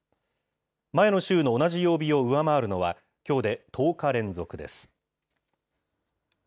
前の週の同じ曜日を上回るのは、きょうで１０日連続です。